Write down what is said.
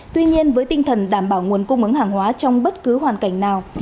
tuy nhiên với tinh thần đảm bảo nguồn cung ứng hàng hóa trong bất cứ hoàn cảnh nào